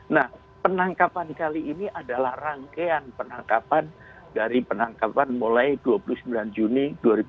nah penangkapan kali ini adalah rangkaian penangkapan dari penangkapan mulai dua puluh sembilan juni dua ribu dua puluh